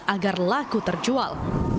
agar laku terjual